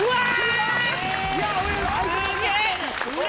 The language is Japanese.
うわ